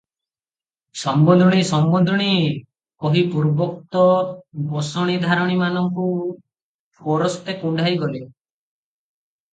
'ସମୁନ୍ଧୁଣୀ ସମୁନ୍ଧୁଣୀ' କହି ପୂର୍ବୋକ୍ତ ବସଣିଧାରିଣୀମାନଙ୍କୁ ପରସ୍ତେ କୁଣ୍ଢାଇଗଲେ ।